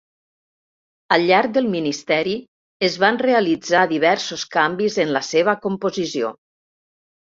Al llarg del ministeri, es van realitzar diversos canvis en la seva composició.